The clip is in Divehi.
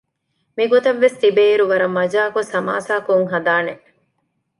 މިގޮތަށްވެސް ތިބޭއިރު ވަރަށް މަޖާކޮށް ސަމާސާކޮށް ހަދާނެ